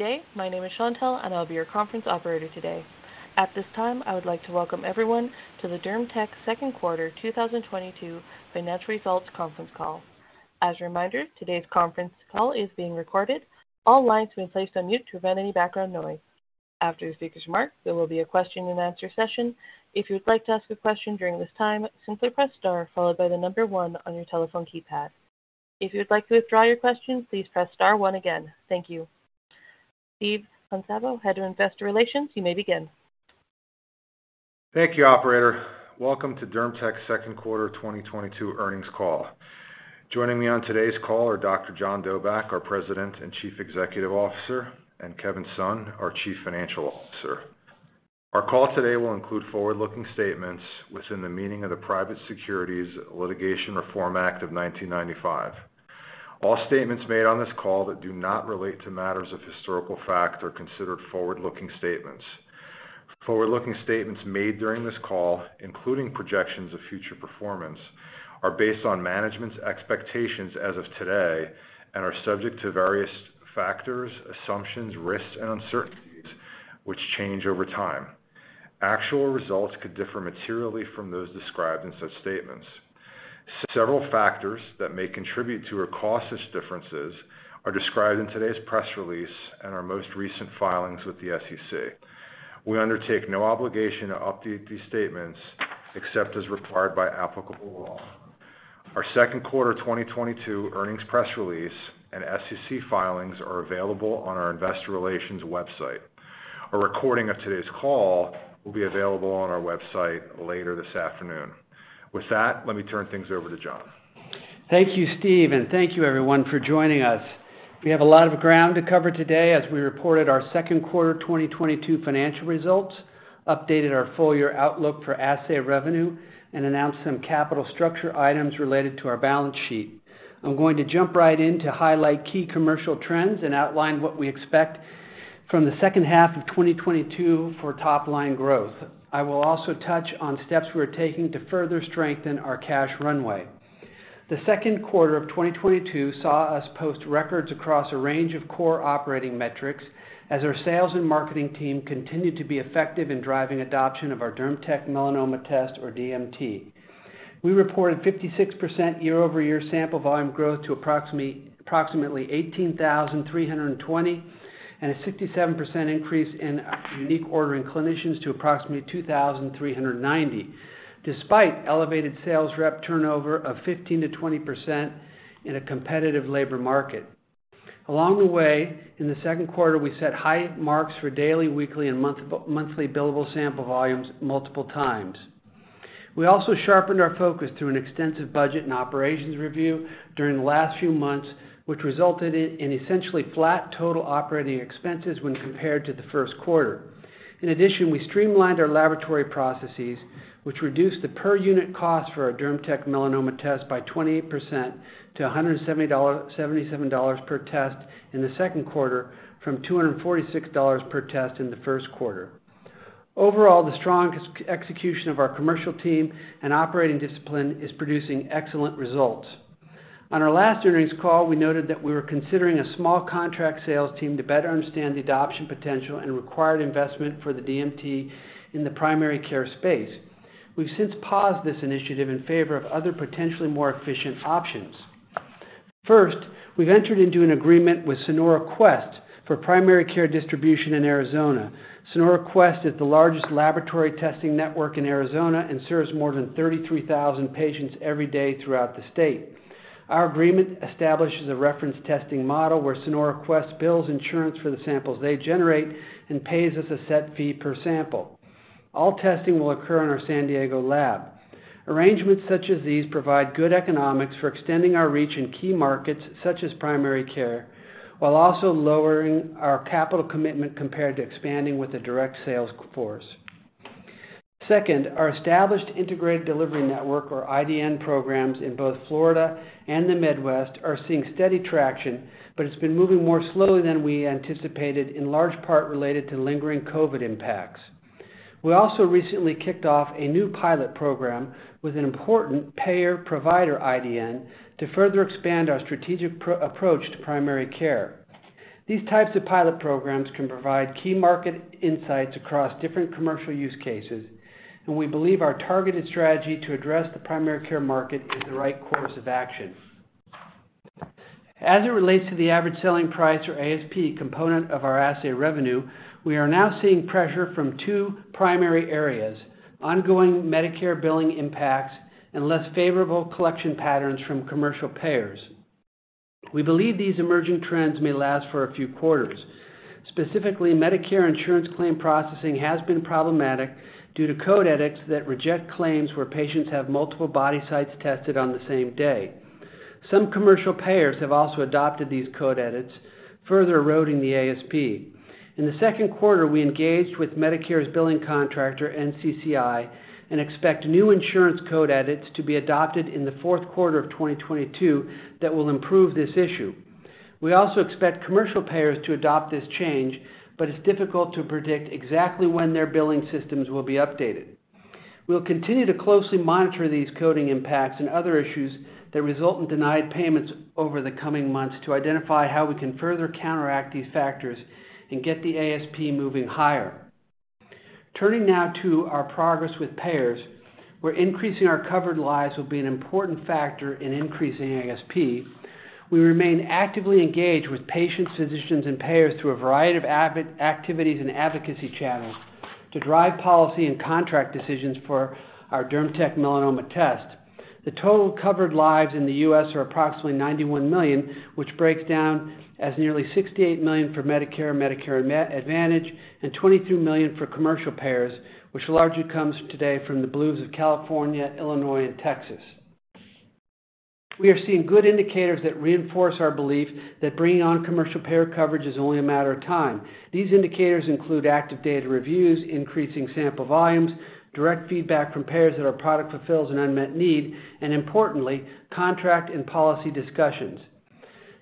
Good day. My name is Chantelle, and I'll be your conference operator today. At this time, I would like to welcome everyone to the DermTech Second Quarter 2022 Financial Results Conference Call. As a reminder, today's conference call is being recorded. All lines have been placed on mute to prevent any background noise. After the speaker's remarks, there will be a question-and-answer session. If you would like to ask a question during this time, simply press star followed by the number one on your telephone keypad. If you would like to withdraw your question, please press star one again. Thank you. Steve Kunszabo, Head of Investor Relations, you may begin. Thank you, operator. Welcome to DermTech's Second Quarter 2022 Earnings Call. Joining me on today's call are Dr. John Dobak, our President and Chief Executive Officer, and Kevin Sun, our Chief Financial Officer. Our call today will include forward-looking statements within the meaning of the Private Securities Litigation Reform Act of 1995. All statements made on this call that do not relate to matters of historical fact are considered forward-looking statements. Forward-looking statements made during this call, including projections of future performance, are based on management's expectations as of today and are subject to various factors, assumptions, risks, and uncertainties which change over time. Actual results could differ materially from those described in such statements. Several factors that may contribute to or cause such differences are described in today's press release and our most recent filings with the SEC. We undertake no obligation to update these statements except as required by applicable law. Our second quarter of 2022 earnings press release and SEC filings are available on our investor relations website. A recording of today's call will be available on our website later this afternoon. With that, let me turn things over to John. Thank you, Steve, and thank you everyone for joining us. We have a lot of ground to cover today as we reported our second quarter of 2022 financial results, updated our full-year outlook for assay revenue and announced some capital structure items related to our balance sheet. I'm going to jump right in to highlight key commercial trends and outline what we expect from the second half of 2022 for top-line growth. I will also touch on steps we're taking to further strengthen our cash runway. The second quarter of 2022 saw us post records across a range of core operating metrics as our sales and marketing team continued to be effective in driving adoption of our DermTech Melanoma Test or DMT. We reported 56% year-over-year sample volume growth to approximately 18,320, and a 67% increase in unique ordering clinicians to approximately 2,390, despite elevated sales rep turnover of 15%-20% in a competitive labor market. Along the way, in the second quarter, we set high marks for daily, weekly and monthly billable sample volumes multiple times. We also sharpened our focus through an extensive budget and operations review during the last few months, which resulted in essentially flat total operating expenses when compared to the first quarter. In addition, we streamlined our laboratory processes, which reduced the per unit cost for our DermTech Melanoma Test by 28% to $177 per test in the second quarter from $246 per test in the first quarter. Overall, the strong execution of our commercial team and operating discipline is producing excellent results. On our last earnings call, we noted that we were considering a small contract sales team to better understand the adoption potential and required investment for the DMT in the primary care space. We've since paused this initiative in favor of other potentially more efficient options. First, we've entered into an agreement with Sonora Quest for primary care distribution in Arizona. Sonora Quest is the largest laboratory testing network in Arizona and serves more than 33,000 patients every day throughout the state. Our agreement establishes a reference testing model where Sonora Quest bills insurance for the samples they generate and pays us a set fee per sample. All testing will occur in our San Diego lab. Arrangements such as these provide good economics for extending our reach in key markets such as primary care, while also lowering our capital commitment compared to expanding with a direct sales force. Second, our established integrated delivery network or IDN programs in both Florida and the Midwest are seeing steady traction, but it's been moving more slowly than we anticipated in large part related to lingering COVID impacts. We also recently kicked off a new pilot program with an important payer-provider IDN to further expand our strategic approach to primary care. These types of pilot programs can provide key market insights across different commercial use cases, and we believe our targeted strategy to address the primary care market is the right course of action. As it relates to the average selling price or ASP component of our assay revenue, we are now seeing pressure from two primary areas, ongoing Medicare billing impacts and less favorable collection patterns from commercial payers. We believe these emerging trends may last for a few quarters. Specifically, Medicare insurance claim processing has been problematic due to code edits that reject claims where patients have multiple body sites tested on the same day. Some commercial payers have also adopted these code edits, further eroding the ASP. In the second quarter, we engaged with Medicare's billing contractor, NCCI, and expect new insurance code edits to be adopted in the fourth quarter of 2022 that will improve this issue. We also expect commercial payers to adopt this change, but it's difficult to predict exactly when their billing systems will be updated. We'll continue to closely monitor these coding impacts and other issues that result in denied payments over the coming months to identify how we can further counteract these factors and get the ASP moving higher. Turning now to our progress with payers, where increasing our covered lives will be an important factor in increasing ASP. We remain actively engaged with patients, physicians, and payers through a variety of activities and advocacy channels to drive policy and contract decisions for our DermTech Melanoma Test. The total covered lives in the U.S. are approximately 91 million, which breaks down as nearly 68 million for Medicare Advantage, and 22 million for commercial payers, which largely comes today from the Blues of California, Illinois, and Texas. We are seeing good indicators that reinforce our belief that bringing on commercial payer coverage is only a matter of time. These indicators include active data reviews, increasing sample volumes, direct feedback from payers that our product fulfills an unmet need, and importantly, contract and policy discussions.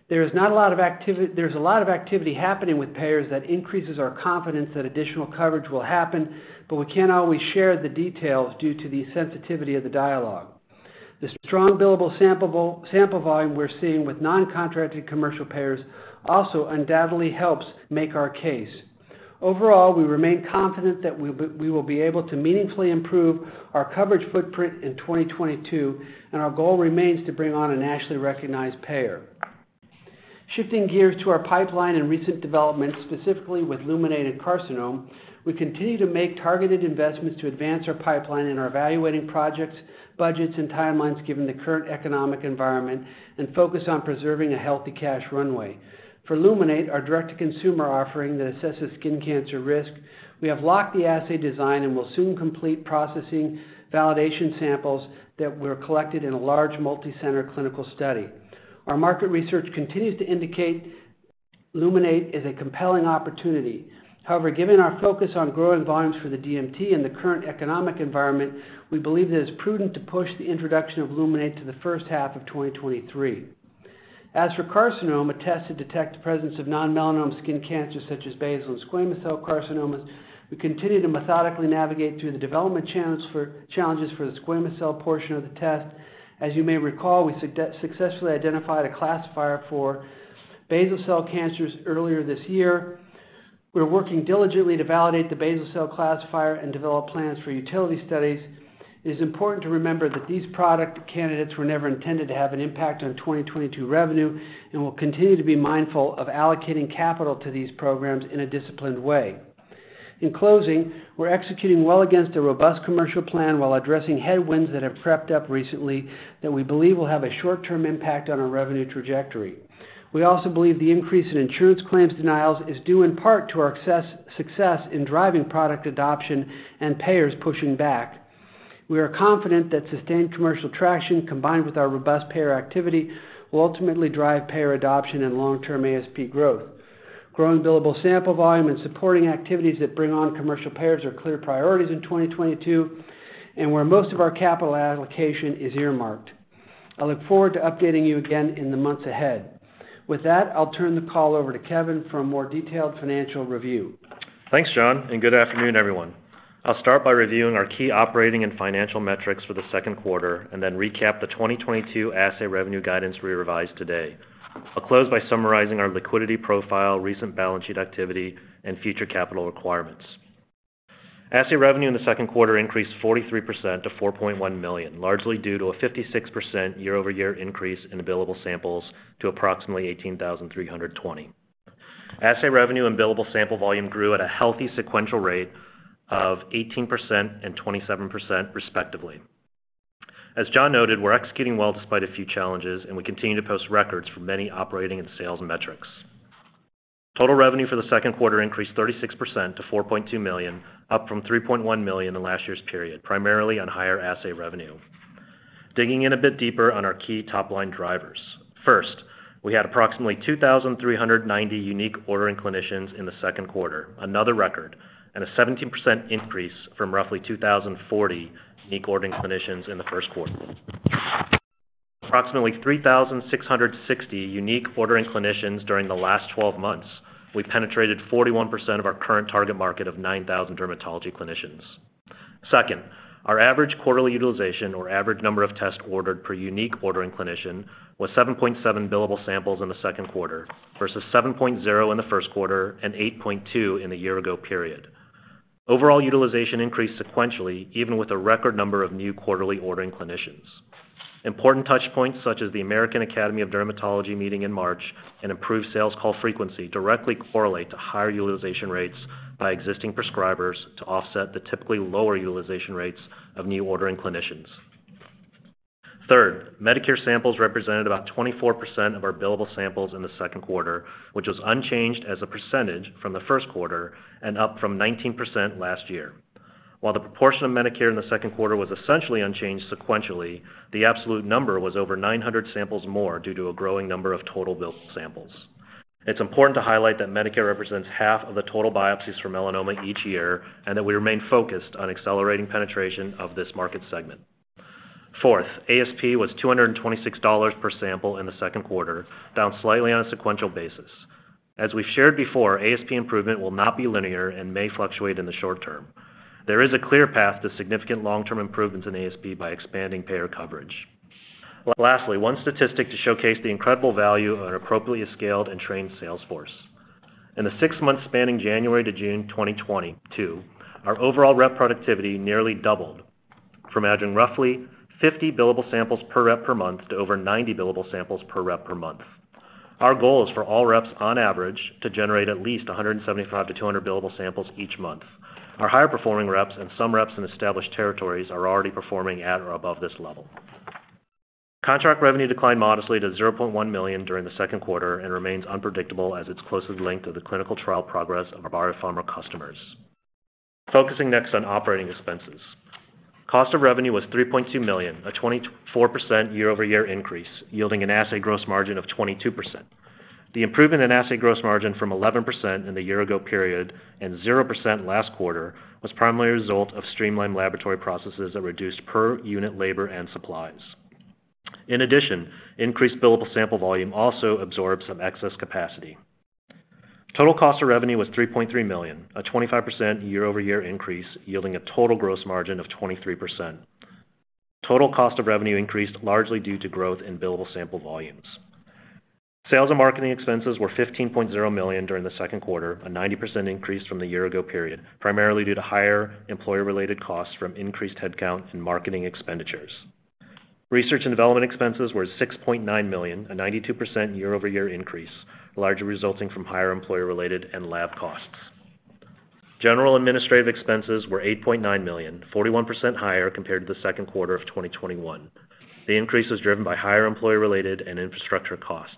There is a lot of activity happening with payers that increases our confidence that additional coverage will happen, but we can't always share the details due to the sensitivity of the dialogue. The strong billable sample volume we're seeing with non-contracted commercial payers also undoubtedly helps make our case. Overall, we remain confident that we will be able to meaningfully improve our coverage footprint in 2022, and our goal remains to bring on a nationally recognized payer. Shifting gears to our pipeline and recent developments, specifically with Luminate and Carcinome, we continue to make targeted investments to advance our pipeline and are evaluating projects, budgets, and timelines given the current economic environment, and focus on preserving a healthy cash runway. For Luminate, our direct-to-consumer offering that assesses skin cancer risk, we have locked the assay design and will soon complete processing validation samples that were collected in a large multi-center clinical study. Our market research continues to indicate Luminate is a compelling opportunity. However, given our focus on growing volumes for the DMT in the current economic environment, we believe that it's prudent to push the introduction of Luminate to the first half of 2023. As for Carcinome, a test to detect the presence of non-melanoma skin cancers such as basal cell and squamous cell carcinomas, we continue to methodically navigate through the development challenge for, challenges for the squamous cell portion of the test. As you may recall, we successfully identified a classifier for basal cell cancers earlier this year. We're working diligently to validate the basal cell classifier and develop plans for utility studies. It is important to remember that these product candidates were never intended to have an impact on 2022 revenue and will continue to be mindful of allocating capital to these programs in a disciplined way. In closing, we're executing well against a robust commercial plan while addressing headwinds that have crept up recently that we believe will have a short-term impact on our revenue trajectory. We also believe the increase in insurance claims denials is due in part to our success in driving product adoption and payers pushing back. We are confident that sustained commercial traction, combined with our robust payer activity, will ultimately drive payer adoption and long-term ASP growth. Growing billable sample volume and supporting activities that bring on commercial payers are clear priorities in 2022 and where most of our capital allocation is earmarked. I look forward to updating you again in the months ahead. With that, I'll turn the call over to Kevin for a more detailed financial review. Thanks, John, and good afternoon, everyone. I'll start by reviewing our key operating and financial metrics for the second quarter and then recap the 2022 assay revenue guidance we revised today. I'll close by summarizing our liquidity profile, recent balance sheet activity, and future capital requirements. Assay revenue in the second quarter increased 43% to $4.1 million, largely due to a 56% year-over-year increase in billable samples to approximately 18,320. Assay revenue and billable sample volume grew at a healthy sequential rate of 18% and 27% respectively. As John noted, we're executing well despite a few challenges, and we continue to post records for many operating and sales metrics. Total revenue for the second quarter increased 36% to $4.2 million, up from $3.1 million in last year's period, primarily on higher assay revenue. Digging in a bit deeper on our key top-line drivers. First, we had approximately 2,390 unique ordering clinicians in the second quarter, another record, and a 17% increase from roughly 2,040 unique ordering clinicians in the first quarter. Approximately 3,660 unique ordering clinicians during the last twelve months. We've penetrated 41% of our current target market of 9,000 dermatology clinicians. Second, our average quarterly utilization or average number of tests ordered per unique ordering clinician was 7.7 billable samples in the second quarter versus 7.0 in the first quarter and 8.2 in the year-ago period. Overall utilization increased sequentially, even with a record number of new quarterly ordering clinicians. Important touch points such as the American Academy of Dermatology meeting in March and improved sales call frequency directly correlate to higher utilization rates by existing prescribers to offset the typically lower utilization rates of new ordering clinicians. Third, Medicare samples represented about 24% of our billable samples in the second quarter, which was unchanged as a percentage from the first quarter and up from 19% last year. While the proportion of Medicare in the second quarter was essentially unchanged sequentially, the absolute number was over 900 samples more due to a growing number of total billed samples. It's important to highlight that Medicare represents half of the total biopsies for melanoma each year, and that we remain focused on accelerating penetration of this market segment. Fourth, ASP was $226 per sample in the second quarter, down slightly on a sequential basis. As we've shared before, ASP improvement will not be linear and may fluctuate in the short term. There is a clear path to significant long-term improvements in ASP by expanding payer coverage. Lastly, one statistic to showcase the incredible value of an appropriately scaled and trained sales force. In the six months spanning January to June 2022, our overall rep productivity nearly doubled from averaging roughly 50 billable samples per rep per month to over 90 billable samples per rep per month. Our goal is for all reps on average to generate at least 175-200 billable samples each month. Our higher performing reps and some reps in established territories are already performing at or above this level. Contract revenue declined modestly to $1 million during the second quarter and remains unpredictable as it's closely linked to the clinical trial progress of our biopharma customers. Focusing next on operating expenses. Cost of revenue was $3.2 million, a 24% year-over-year increase, yielding an assay gross margin of 22%. The improvement in assay gross margin from 11% in the year ago period and 0% last quarter was primarily a result of streamlined laboratory processes that reduced per unit labor and supplies. In addition, increased billable sample volume also absorbed some excess capacity. Total cost of revenue was $3.3 million, a 25% year-over-year increase, yielding a total gross margin of 23%. Total cost of revenue increased largely due to growth in billable sample volumes. Sales and marketing expenses were $15 million during the second quarter, a 90% increase from the year ago period, primarily due to higher employee-related costs from increased headcount and marketing expenditures. Research and development expenses were $6.9 million, a 92% year-over-year increase, largely resulting from higher employee-related and lab costs. General administrative expenses were $8.9 million, 41% higher compared to the second quarter of 2021. The increase is driven by higher employee-related and infrastructure costs.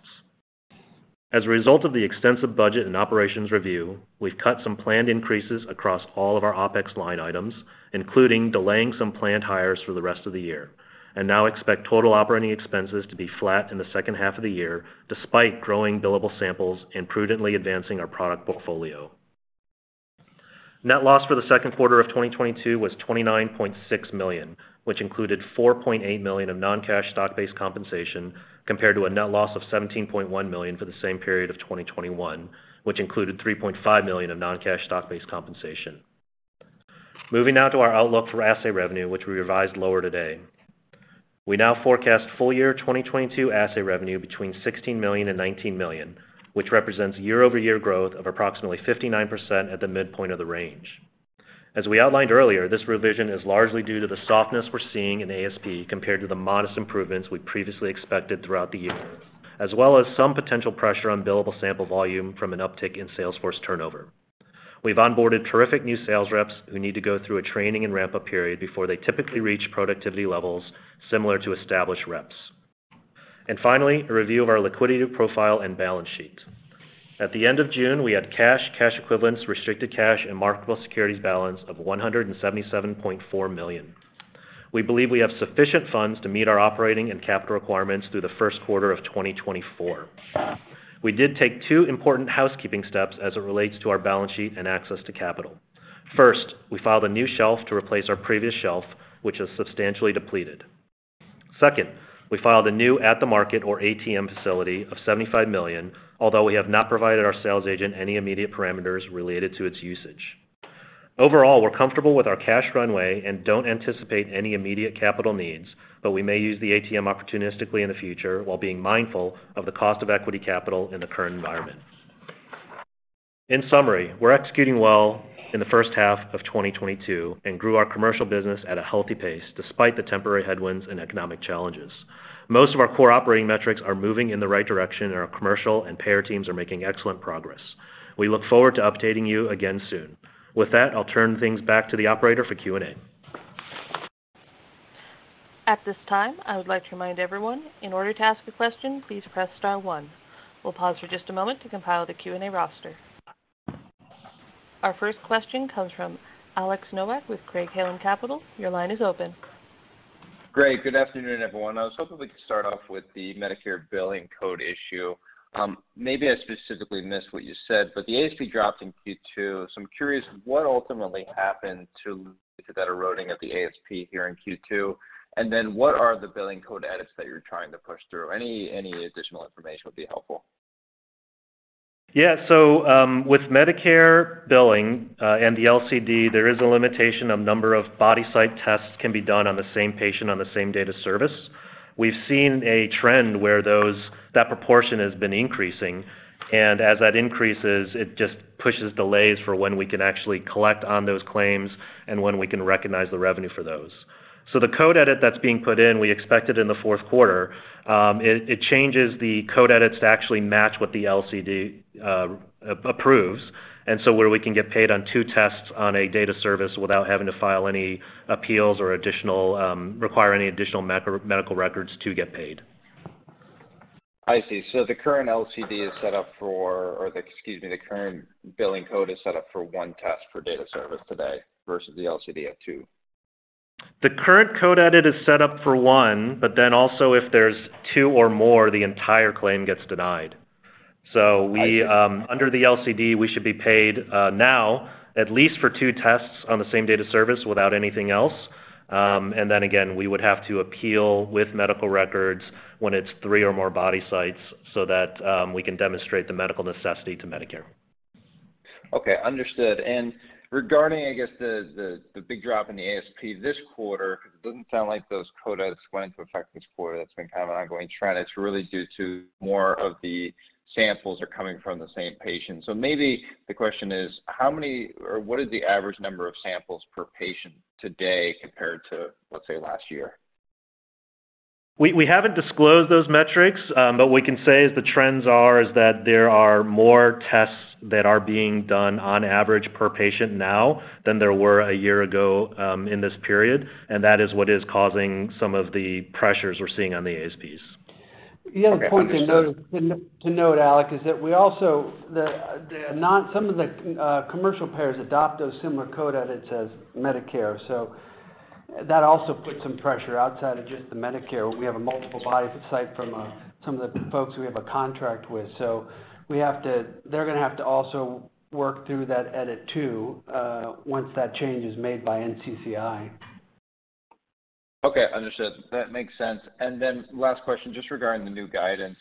As a result of the extensive budget and operations review, we've cut some planned increases across all of our OpEx line items, including delaying some planned hires for the rest of the year, and now expect total operating expenses to be flat in the second half of the year despite growing billable samples and prudently advancing our product portfolio. Net loss for the second quarter of 2022 was $29.6 million, which included $4.8 million of non-cash stock-based compensation compared to a net loss of $17.1 million for the same period of 2021, which included $3.5 million of non-cash stock-based compensation. Moving now to our outlook for assay revenue, which we revised lower today. We now forecast full-year 2022 assay revenue between $16 million and $19 million, which represents year-over-year growth of approximately 59% at the midpoint of the range. This revision is largely due to the softness we're seeing in ASP compared to the modest improvements we previously expected throughout the year, as well as some potential pressure on billable sample volume from an uptick in sales force turnover. We've onboarded terrific new sales reps who need to go through a training and ramp-up period before they typically reach productivity levels similar to established reps. Finally, a review of our liquidity profile and balance sheet. At the end of June, we had cash equivalents, restricted cash, and marketable securities balance of $177.4 million. We believe we have sufficient funds to meet our operating and capital requirements through the first quarter of 2024. We did take two important housekeeping steps as it relates to our balance sheet and access to capital. First, we filed a new shelf to replace our previous shelf, which is substantially depleted. Second, we filed a new at-the-market or ATM facility of $75 million, although we have not provided our sales agent any immediate parameters related to its usage. Overall, we're comfortable with our cash runway and don't anticipate any immediate capital needs, but we may use the ATM opportunistically in the future while being mindful of the cost of equity capital in the current environment. In summary, we're executing well in the first half of 2022 and grew our commercial business at a healthy pace despite the temporary headwinds and economic challenges. Most of our core operating metrics are moving in the right direction, and our commercial and payer teams are making excellent progress. We look forward to updating you again soon. With that, I'll turn things back to the operator for Q&A. At this time, I would like to remind everyone, in order to ask a question, please press star one. We'll pause for just a moment to compile the Q&A roster. Our first question comes from Alex Nowak with Craig-Hallum Capital. Your line is open. Great. Good afternoon, everyone. I was hoping we could start off with the Medicare billing code issue. Maybe I specifically missed what you said, but the ASP dropped in Q2. I'm curious what ultimately happened to that eroding of the ASP here in Q2? And then what are the billing code edits that you're trying to push through? Any additional information would be helpful? Yeah. With Medicare billing and the LCD, there is a limitation on number of body site tests can be done on the same patient on the same date of service. We've seen a trend where that proportion has been increasing, and as that increases, it just pushes delays for when we can actually collect on those claims and when we can recognize the revenue for those. The code edit that's being put in, we expect it in the fourth quarter, it changes the code edits to actually match what the LCD approves, and where we can get paid on two tests on a date of service without having to file any appeals or additional require any additional medical records to get paid. I see. The current billing code is set up for one test per date of service today versus the LCD at two. The current code edit is set up for one, but then also if there's two or more, the entire claim gets denied. We, under the LCD, we should be paid now at least for two tests on the same date of service without anything else. We would have to appeal with medical records when it's three or more body sites so that we can demonstrate the medical necessity to Medicare. Okay, understood. Regarding, I guess, the big drop in the ASP this quarter, it doesn't sound like those code edits went into effect this quarter. That's been kind of an ongoing trend. It's really due to more of the samples are coming from the same patient. Maybe the question is, how many or what is the average number of samples per patient today compared to, let's say, last year? We haven't disclosed those metrics. We can say the trends are that there are more tests that are being done on average per patient now than there were a year ago, in this period, and that is what is causing some of the pressures we're seeing on the ASPs. Okay. Understood. The other point to note, Alex, is that some of the commercial payers adopt those similar code edits as Medicare, so that also puts some pressure outside of just the Medicare. We have a multiple body site from some of the folks we have a contract with. They're gonna have to also work through that edit too, once that change is made by NCCI. Okay, understood. That makes sense. Last question, just regarding the new guidance.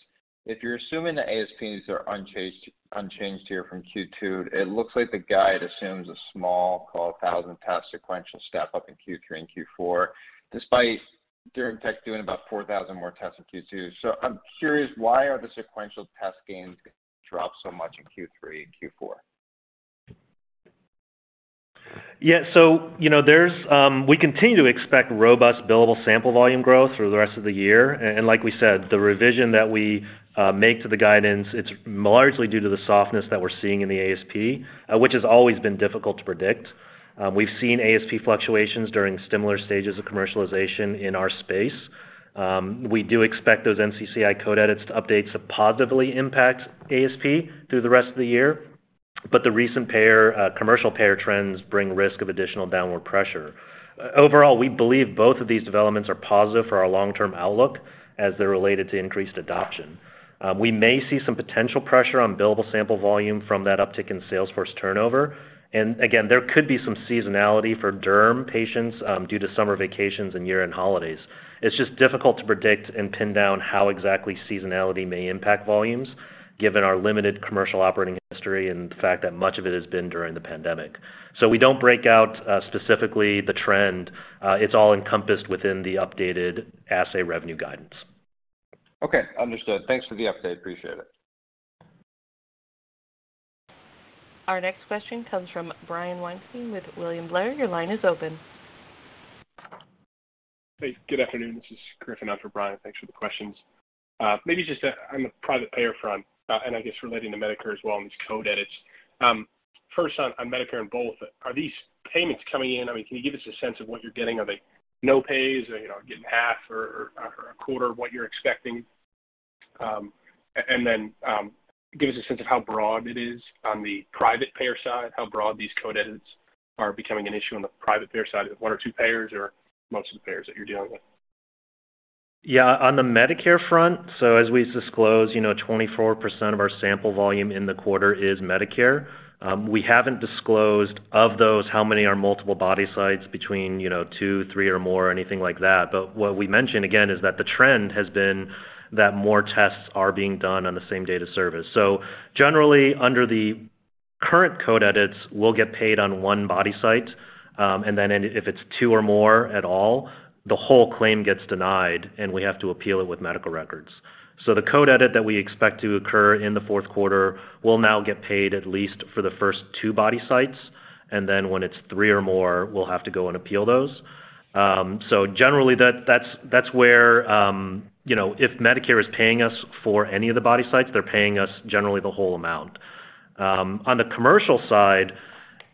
If you're assuming the ASPs are unchanged here from Q2, it looks like the guide assumes a small, call it a 1,000-test sequential step-up in Q3 and Q4, despite DermTech doing about 4,000 more tests in Q2. I'm curious, why are the sequential test gains dropped so much in Q3 and Q4? Yeah. You know, we continue to expect robust billable sample volume growth through the rest of the year. Like we said, the revision that we make to the guidance, it's largely due to the softness that we're seeing in the ASP, which has always been difficult to predict. We've seen ASP fluctuations during similar stages of commercialization in our space. We do expect those NCCI code edits and updates to positively impact ASP through the rest of the year, but the recent commercial payer trends bring risk of additional downward pressure. Overall, we believe both of these developments are positive for our long-term outlook as they're related to increased adoption. We may see some potential pressure on billable sample volume from that uptick in sales force turnover. Again, there could be some seasonality for Derm patients due to summer vacations and year-end holidays. It's just difficult to predict and pin down how exactly seasonality may impact volumes given our limited commercial operating history and the fact that much of it has been during the pandemic. We don't break out specifically the trend. It's all encompassed within the updated assay revenue guidance. Okay. Understood. Thanks for the update. Appreciate it. Our next question comes from Brian Weinstein with William Blair. Your line is open. Hey, good afternoon. This is Griffin on for Brian. Thanks for the questions. Maybe just on the private payer front, and I guess relating to Medicare as well and these code edits. First on Medicare and both, are these payments coming in? I mean, can you give us a sense of what you're getting? Are they no pays? Are you know getting half or a quarter of what you're expecting? And then give us a sense of how broad it is on the private payer side, how broad these code edits are becoming an issue on the private payer side, one or two payers or most of the payers that you're dealing with. Yeah. On the Medicare front, as we disclose, you know, 24% of our sample volume in the quarter is Medicare. We haven't disclosed of those how many are multiple body sites between, you know, 2, 3, or more or anything like that. What we mentioned again is that the trend has been that more tests are being done on the same date of service. Generally, under the current code edits, we'll get paid on one body site, and then if it's 2 or more at all, the whole claim gets denied, and we have to appeal it with medical records. The code edit that we expect to occur in the fourth quarter will now get paid at least for the first 2 body sites, and then when it's 3 or more, we'll have to go and appeal those. Generally that's where, you know, if Medicare is paying us for any of the body sites, they're paying us generally the whole amount. On the commercial side,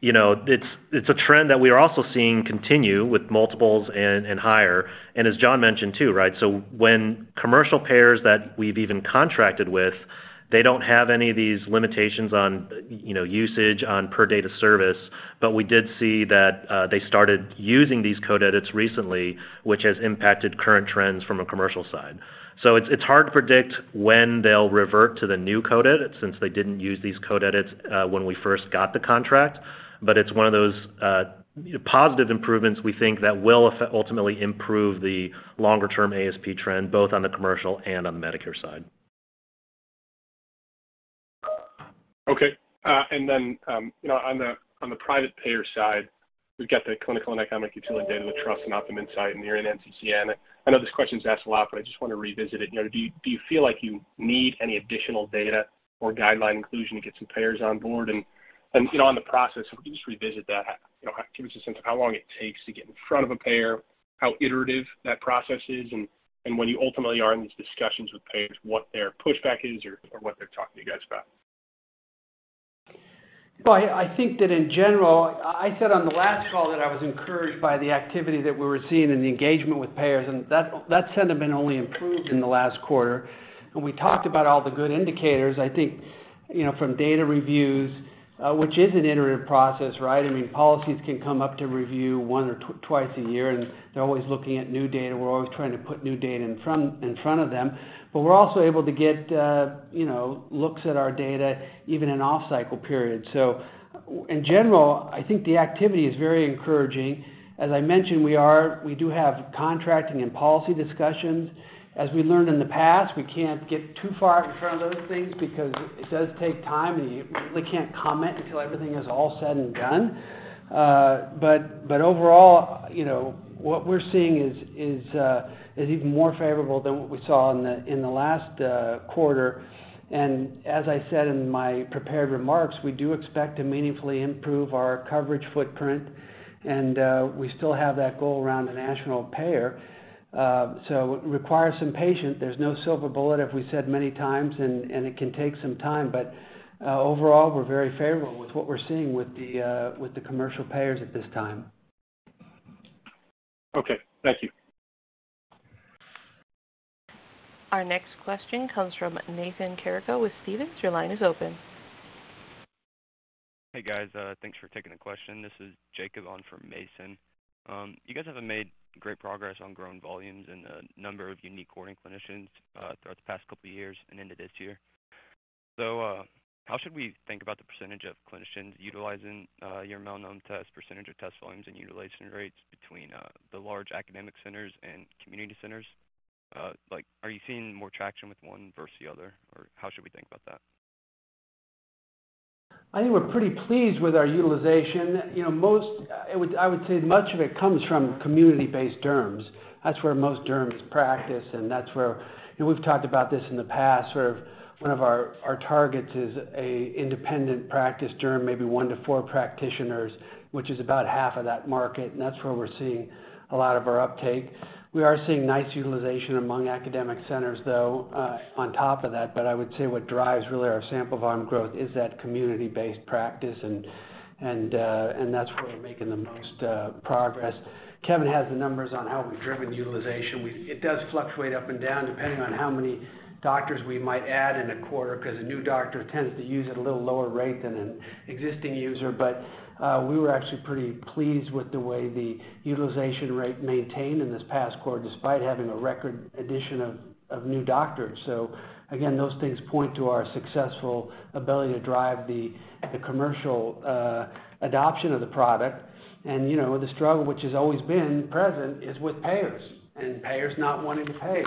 you know, it's a trend that we are also seeing continue with multiples and higher. As John mentioned, too, right? When commercial payers that we've even contracted with, they don't have any of these limitations on, you know, usage on per date of service. We did see that they started using these code edits recently, which has impacted current trends from a commercial side. It's hard to predict when they'll revert to the new code edits since they didn't use these code edits when we first got the contract. It's one of those positive improvements we think that will ultimately improve the longer-term ASP trend, both on the commercial and on the Medicare side. Okay. And then, you know, on the private payer side, we've got the clinical and economic utility data with Truist and Optum Insight and you're in NCCN. I know this question's asked a lot, but I just wanna revisit it. You know, do you feel like you need any additional data or guideline inclusion to get some payers on board? And, you know, on the process, can you just revisit that? You know, give us a sense of how long it takes to get in front of a payer, how iterative that process is, and when you ultimately are in these discussions with payers, what their pushback is or what they're talking to you guys about. I think that in general, I said on the last call that I was encouraged by the activity that we were seeing and the engagement with payers, and that sentiment only improved in the last quarter. When we talked about all the good indicators, you know, from data reviews, which is an iterative process, I mean, policies can come up to review one or twice a year, and they're always looking at new data. We're always trying to put new data in front of them. But we're also able to get, you know, looks at our data even in off-cycle periods. In general, I think the activity is very encouraging. As I mentioned, we do have contracting and policy discussions. As we learned in the past, we can't get too far in front of those things because it does take time, and you really can't comment until everything is all said and done. But overall, you know, what we're seeing is even more favorable than what we saw in the last quarter. As I said in my prepared remarks, we do expect to meaningfully improve our coverage footprint, and we still have that goal around a national payer. So it requires some patience. There's no silver bullet, as we said many times, and it can take some time. But overall, we're very favorable with what we're seeing with the commercial payers at this time. Okay. Thank you. Our next question comes from Nathan Todaro with Stephens. Your line is open. Hey, guys. Thanks for taking the question. This is Jacob on for Mason. You guys haven't made great progress on growing volumes and the number of unique ordering clinicians throughout the past couple of years and into this year. How should we think about the percentage of clinicians utilizing your melanoma test, percentage of test volumes and utilization rates between the large academic centers and community centers? Like, are you seeing more traction with one versus the other? Or how should we think about that? I think we're pretty pleased with our utilization. You know, most I would say much of it comes from community-based derms. That's where most derms practice, and that's where you know, we've talked about this in the past, sort of one of our targets is an independent practice derm, maybe 1-4 practitioners, which is about half of that market, and that's where we're seeing a lot of our uptake. We are seeing nice utilization among academic centers, though, on top of that. I would say what drives really our sample volume growth is that community-based practice and that's where we're making the most progress. Kevin has the numbers on how we've driven utilization. It does fluctuate up and down depending on how many doctors we might add in a quarter, because a new doctor tends to use at a little lower rate than an existing user. We were actually pretty pleased with the way the utilization rate maintained in this past quarter, despite having a record addition of new doctors. Again, those things point to our successful ability to drive the commercial adoption of the product. You know, the struggle which has always been present is with payers and payers not wanting to pay.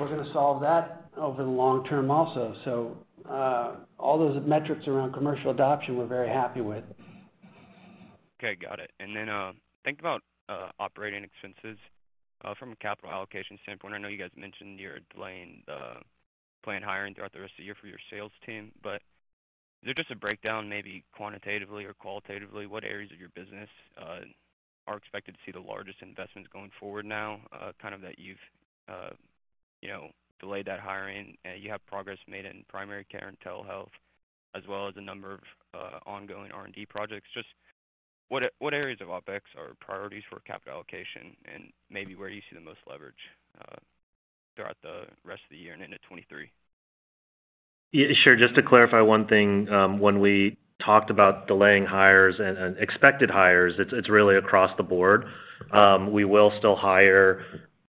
We're gonna solve that over the long term also. All those metrics around commercial adoption we're very happy with. Okay, got it. Think about operating expenses from a capital allocation standpoint. I know you guys mentioned you're delaying the planned hiring throughout the rest of the year for your sales team, but is there just a breakdown, maybe quantitatively or qualitatively, what areas of your business are expected to see the largest investments going forward now that you've you know, delayed that hiring? You've made progress in primary care and telehealth as well as a number of ongoing R&D projects. Just what areas of OpEx are priorities for capital allocation and maybe where you see the most leverage throughout the rest of the year and into 2023? Yeah, sure. Just to clarify one thing, when we talked about delaying hires and expected hires, it's really across the board. We will still hire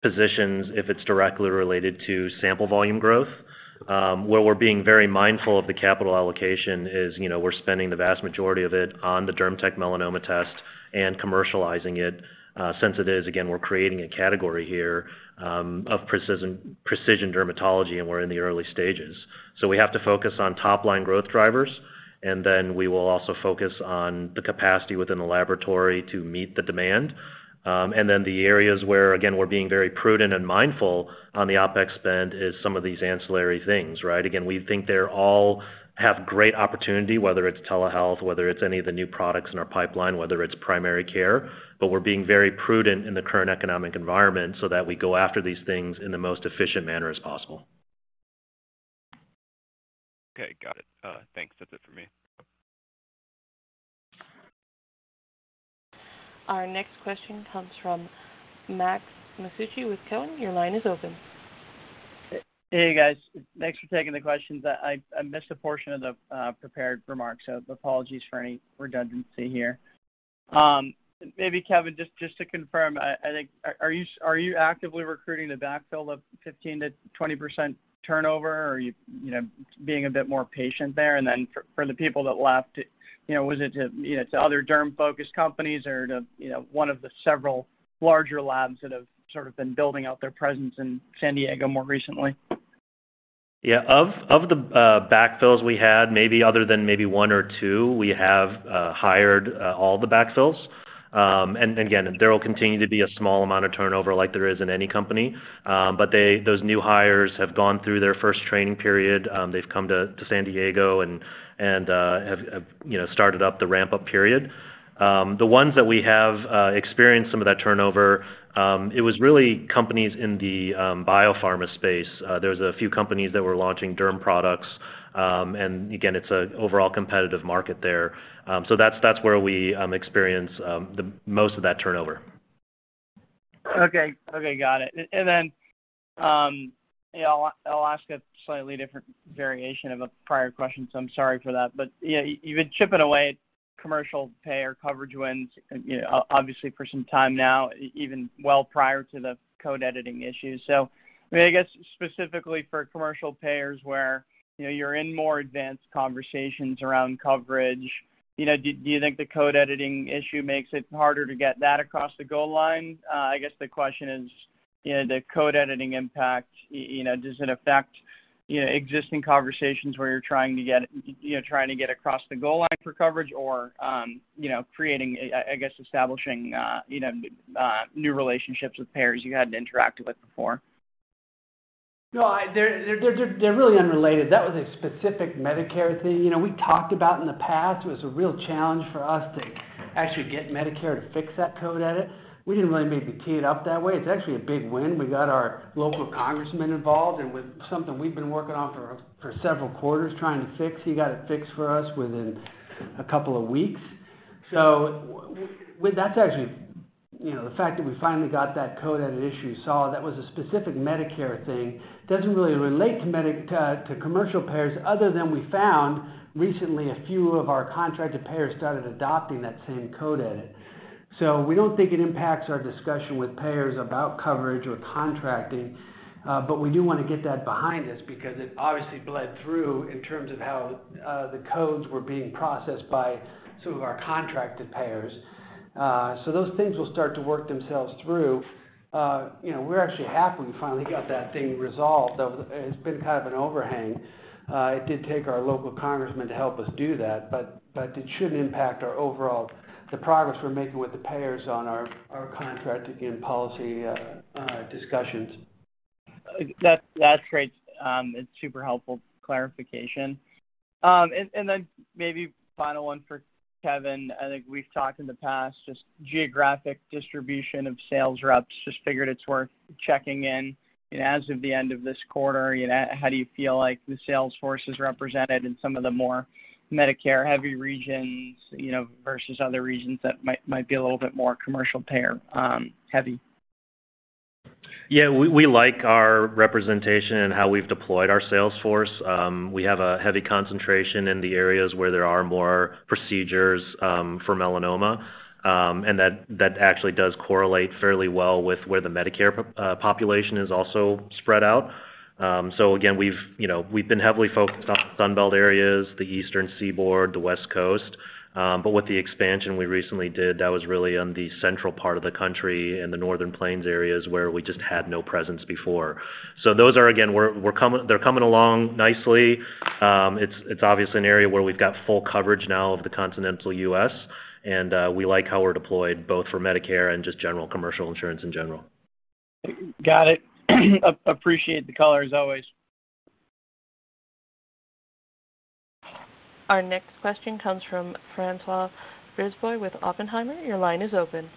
physicians if it's directly related to sample volume growth. Where we're being very mindful of the capital allocation is, you know, we're spending the vast majority of it on the DermTech Melanoma Test and commercializing it, since it is. Again, we're creating a category here, of precision dermatology, and we're in the early stages. We have to focus on top-line growth drivers, and then we will also focus on the capacity within the laboratory to meet the demand. Then the areas where, again, we're being very prudent and mindful on the OpEx spend is some of these ancillary things, right? Again, we think they all have great opportunity, whether it's telehealth, whether it's any of the new products in our pipeline, whether it's primary care, but we're being very prudent in the current economic environment so that we go after these things in the most efficient manner as possible. Okay, got it. Thanks. That's it for me. Our next question comes from Max Masucci with Cowen. Your line is open. Hey, guys. Thanks for taking the questions. I missed a portion of the prepared remarks, so apologies for any redundancy here. Maybe, Kevin, just to confirm, I think. Are you actively recruiting the backfill of 15%-20% turnover, or are you know, being a bit more patient there? Then for the people that left, you know, was it to, you know, to other derm-focused companies or to, you know, one of the several larger labs that have sort of been building out their presence in San Diego more recently? Yeah. Of the backfills we had, maybe other than maybe one or two, we have hired all the backfills. Again, there will continue to be a small amount of turnover like there is in any company. Those new hires have gone through their first training period. They've come to San Diego and have, you know, started up the ramp-up period. The ones that we have experienced some of that turnover, it was really companies in the biopharma space. There's a few companies that were launching Derm products, and again, it's an overall competitive market there. That's where we experience the most of that turnover. Okay, got it. And then, yeah, I'll ask a slightly different variation of a prior question, so I'm sorry for that. Yeah, you've been chipping away at commercial payer coverage wins, you know, obviously for some time now, even well prior to the code editing issue. I mean, I guess specifically for commercial payers where, you know, you're in more advanced conversations around coverage, you know, do you think the code editing issue makes it harder to get that across the goal line? I guess the question is, you know, the code editing impact, you know, does it affect, you know, existing conversations where you're trying to get, you know, trying to get across the goal line for coverage or, you know, creating, I guess, establishing, you know, new relationships with payers you hadn't interacted with before? No, they're really unrelated. That was a specific Medicare thing. You know, we talked about in the past, it was a real challenge for us to actually get Medicare to fix that code edit. We didn't really maybe tee it up that way. It's actually a big win. We got our local congressman involved, and with something we've been working on for several quarters trying to fix, he got it fixed for us within a couple of weeks. That's actually, you know, the fact that we finally got that code edit issue solved, that was a specific Medicare thing. Doesn't really relate to commercial payers other than we found recently a few of our contracted payers started adopting that same code edit. We don't think it impacts our discussion with payers about coverage or contracting, but we do wanna get that behind us because it obviously bled through in terms of how the codes were being processed by some of our contracted payers. Those things will start to work themselves through. You know, we're actually happy we finally got that thing resolved. It's been kind of an overhang. It did take our local congressman to help us do that, but it shouldn't impact our overall progress we're making with the payers on our contracting and policy discussions. That's great. It's super helpful clarification. And then maybe final one for Kevin. I think we've talked in the past, just geographic distribution of sales reps. Just figured it's worth checking in. As of the end of this quarter, you know, how do you feel like the sales force is represented in some of the more Medicare-heavy regions, you know, versus other regions that might be a little bit more commercial payer heavy? Yeah. We like our representation and how we've deployed our sales force. We have a heavy concentration in the areas where there are more procedures for melanoma, and that actually does correlate fairly well with where the Medicare population is also spread out. So again, you know, we've been heavily focused on Sun Belt areas, the Eastern Seaboard, the West Coast, but with the expansion we recently did, that was really on the central part of the country and the northern plains areas where we just had no presence before. So those are again, they're coming along nicely. It's obviously an area where we've got full coverage now of the continental U.S. and we like how we're deployed both for Medicare and just general commercial insurance in general. Got it. Appreciate the color as always. Our next question comes from François Brisebois with Oppenheimer. Your line is open.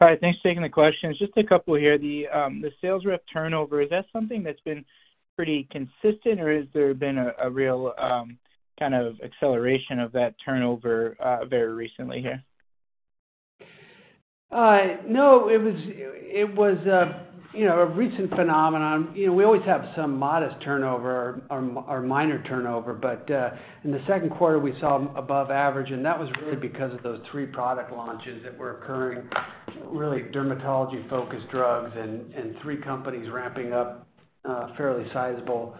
Hi. Thanks for taking the questions. Just a couple here. The sales rep turnover, is that something that's been pretty consistent, or has there been a real kind of acceleration of that turnover very recently here? No. It was, you know, a recent phenomenon. You know, we always have some modest turnover or minor turnover, but in the second quarter, we saw above average, and that was really because of those three product launches that were occurring, really dermatology-focused drugs and three companies ramping up fairly sizable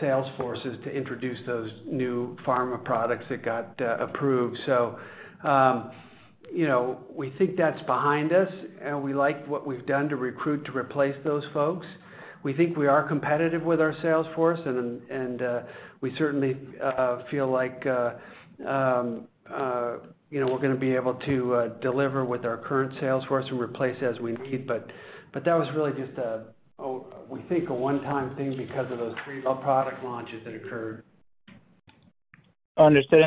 sales forces to introduce those new pharma products that got approved. You know, we think that's behind us, and we like what we've done to recruit to replace those folks. We think we are competitive with our sales force and we certainly feel like, you know, we're gonna be able to deliver with our current sales force and replace as we need. that was really just we think a one-time thing because of those three product launches that occurred. Understood.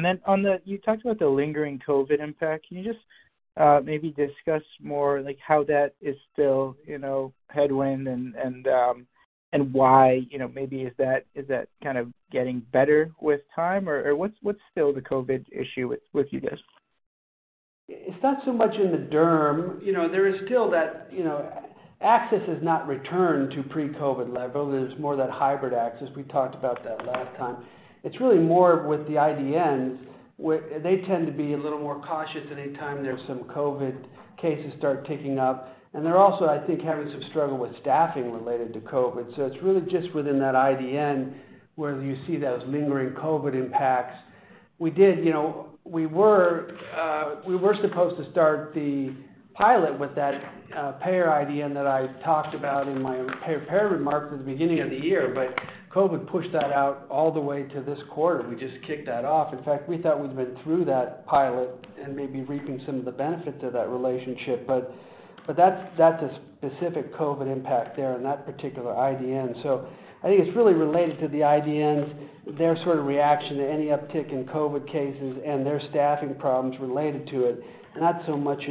You talked about the lingering COVID impact. Can you just maybe discuss more like how that is still, you know, headwind and why, you know, maybe is that, is that kind of getting better with time? Or, what's still the COVID issue with you guys? It's not so much in the Derm. You know, there is still that, you know. Access has not returned to pre-COVID level. There's more that hybrid access. We talked about that last time. It's really more with the IDNs where they tend to be a little more cautious any time there's some COVID cases start ticking up. They're also, I think, having some struggle with staffing related to COVID. It's really just within that IDN where you see those lingering COVID impacts. We did, you know, we were supposed to start the pilot with that payer IDN that I talked about in my payer remarks at the beginning of the year, but COVID pushed that out all the way to this quarter. We just kicked that off. In fact, we thought we'd been through that pilot and may be reaping some of the benefit to that relationship. That's a specific COVID impact there in that particular IDN. I think it's really related to the IDNs, their sort of reaction to any uptick in COVID cases and their staffing problems related to it, not so much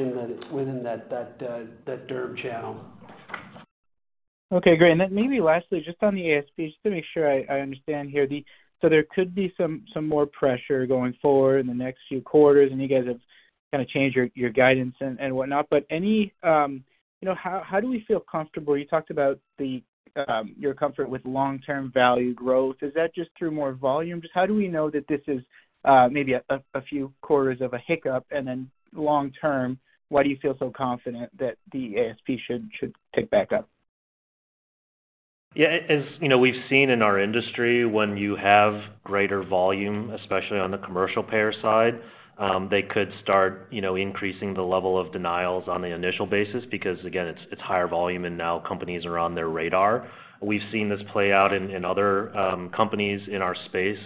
within that Derm channel. Okay, great. Then maybe lastly, just on the ASP, just to make sure I understand here. So there could be some more pressure going forward in the next few quarters, and you guys have kinda changed your guidance and whatnot. Any. You know, how do we feel comfortable? You talked about your comfort with long-term value growth. Is that just through more volume? Just how do we know that this is maybe a few quarters of a hiccup, and then long term, why do you feel so confident that the ASP should pick back up? Yeah. As you know, we've seen in our industry, when you have greater volume, especially on the commercial payer side, they could start, you know, increasing the level of denials on the initial basis because again, it's higher volume, and now companies are on their radar. We've seen this play out in other companies in our space.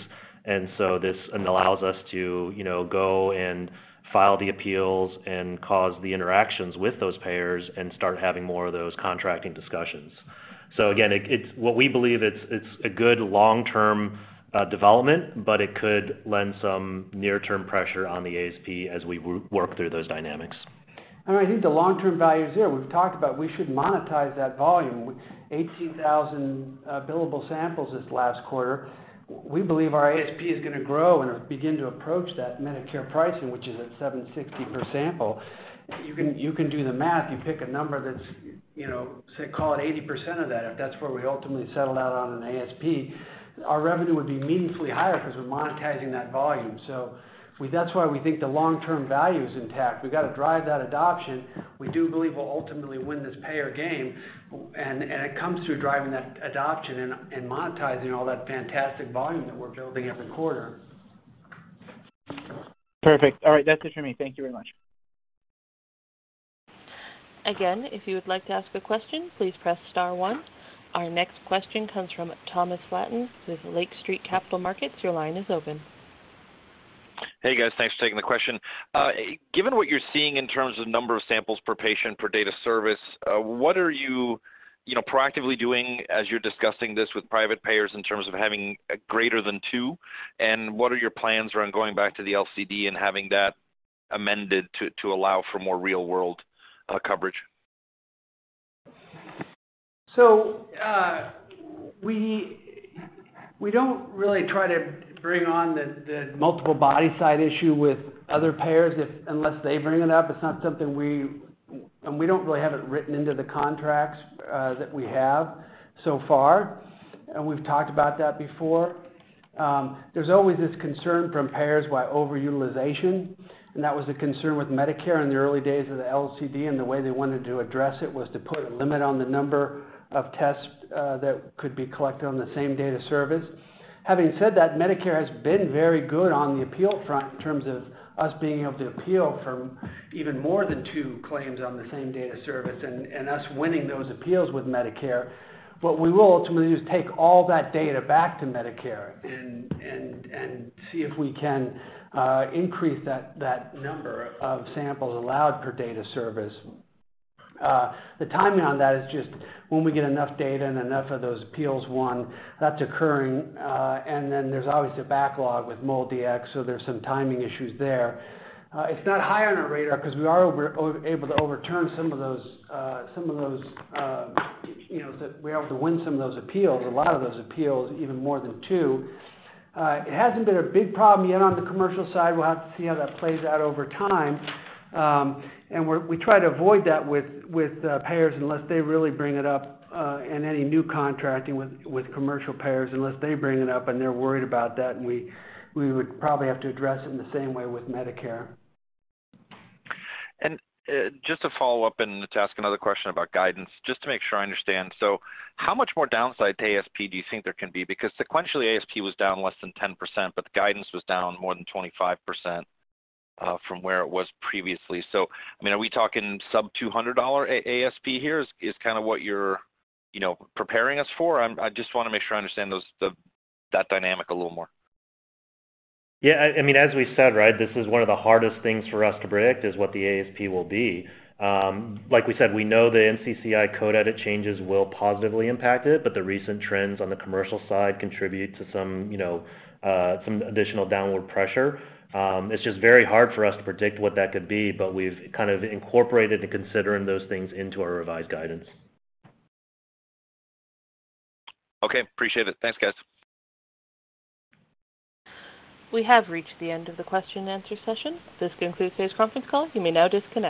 This allows us to, you know, go and file the appeals and cause the interactions with those payers and start having more of those contracting discussions. Again, what we believe, it's a good long-term development, but it could lend some near-term pressure on the ASP as we work through those dynamics. I think the long-term value is there. We've talked about we should monetize that volume. 18,000 billable samples this last quarter. We believe our ASP is gonna grow and begin to approach that Medicare pricing, which is at $760 per sample. You can do the math. You pick a number that's, you know, say, call it 80% of that, if that's where we ultimately settled out on an ASP. Our revenue would be meaningfully higher because we're monetizing that volume. That's why we think the long-term value is intact. We've gotta drive that adoption. We do believe we'll ultimately win this payer game, and it comes through driving that adoption and monetizing all that fantastic volume that we're building every quarter. Perfect. All right. That's it for me. Thank you very much. Again, if you would like to ask a question, please press star one. Our next question comes from Thomas Flaten with Lake Street Capital Markets. Your line is open. Hey, guys. Thanks for taking the question. Given what you're seeing in terms of number of samples per patient per date of service, what are you know, proactively doing as you're discussing this with private payers in terms of having greater than two? What are your plans around going back to the LCD and having that amended to allow for more real-world coverage? We don't really try to bring on the multiple body site issue with other payers unless they bring it up. We don't really have it written into the contracts that we have so far, and we've talked about that before. There's always this concern from payers about overutilization, and that was a concern with Medicare in the early days of the LCD, and the way they wanted to address it was to put a limit on the number of tests that could be collected on the same date of service. Having said that, Medicare has been very good on the appeal front in terms of us being able to appeal for even more than two claims on the same date of service and us winning those appeals with Medicare. What we will ultimately do is take all that data back to Medicare and see if we can increase that number of samples allowed per date of service. The timing on that is just when we get enough data and enough of those appeals won, that's occurring. There's always the backlog with MolDX, so there's some timing issues there. It's not high on our radar 'cause we are able to overturn some of those, you know, so we're able to win some of those appeals or a lot of those appeals, even more than two. It hasn't been a big problem yet on the commercial side. We'll have to see how that plays out over time. We try to avoid that with payers unless they really bring it up, and any new contracting with commercial payers, unless they bring it up and they're worried about that, and we would probably have to address in the same way with Medicare. Just to follow up and to ask another question about guidance, just to make sure I understand. How much more downside to ASP do you think there can be? Because sequentially, ASP was down less than 10%, but the guidance was down more than 25% from where it was previously. I mean, are we talking sub $200 ASP here is kind of what you're, you know, preparing us for? I just wanna make sure I understand that dynamic a little more. Yeah. I mean, as we said, right? This is one of the hardest things for us to predict, is what the ASP will be. Like we said, we know the NCCI code edit changes will positively impact it, but the recent trends on the commercial side contribute to some, you know, some additional downward pressure. It's just very hard for us to predict what that could be, but we've kind of incorporated to considering those things into our revised guidance. Okay. Appreciate it. Thanks, guys. We have reached the end of the question and answer session. This concludes today's conference call. You may now disconnect.